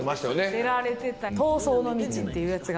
が出られてた「逃走の道」っていうやつがね